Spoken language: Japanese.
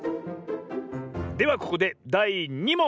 ⁉ではここでだい２もん！